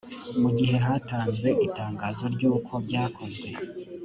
mu gihe hatanzwe itangazo ry uko byakozwe